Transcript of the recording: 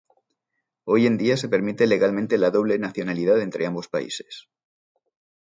Hoy en día se permite legalmente la doble nacionalidad entre ambos países.